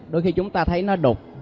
đôi khi chúng ta thấy nó đục